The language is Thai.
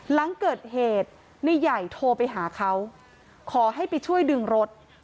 หลังเกิดเหตุในใหญ่โทรไปหาเขาขอให้ไปช่วยดึงรถ